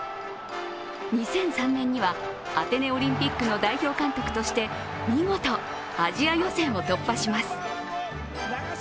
２００３年には、アテネオリンピックの代表監督として見事、アジア予選を突破します。